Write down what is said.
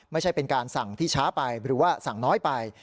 ไม่ใช่เป็นการสั่งที่ช้าไปหรือว่าสั่งน้อยไป